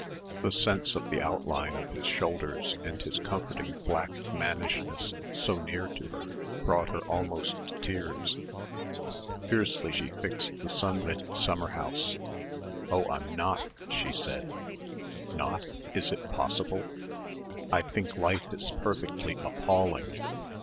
The sense of the outline of his shoulders and his comforting black mannishness so near to her brought her almost to tears. Fiercely she fixed the sunlit summer house, "Oh, I'm not," she said. "Not? Is it possible?" "I think life is perfectly appalling."